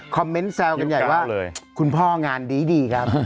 เมนต์แซวกันใหญ่ว่าคุณพ่องานดีครับ